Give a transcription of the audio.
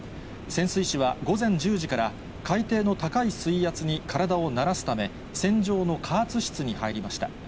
潜水士は午前１０時から、海底の高い水圧に体を慣らすため、船上の加圧室に入りました。